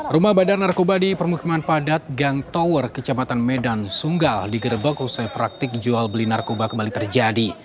rumah badan narkoba di permukiman padat gang tower kecamatan medan sunggal digerebek usai praktik jual beli narkoba kembali terjadi